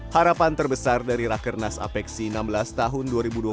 harapan terbesar dari rakernas apeksi enam belas tahun dua ribu dua puluh